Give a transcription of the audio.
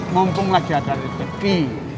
mumpung lagi ada rejeki